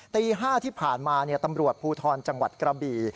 ตี๕ที่ผ่านมาตำรวจภูทรจังหวัดกระบี่